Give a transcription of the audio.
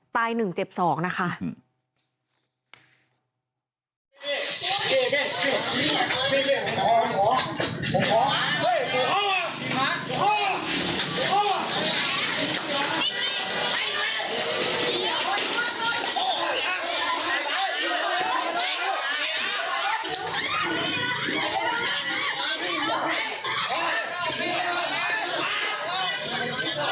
ตายหนึ่งเจ็บสองนะคะ